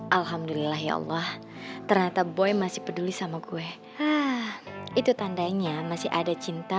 alhamdulillah ya allah ternyata boy masih peduli sama gue itu tandanya masih ada cinta